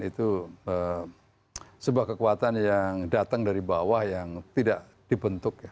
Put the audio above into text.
itu sebuah kekuatan yang datang dari bawah yang tidak dibentuk ya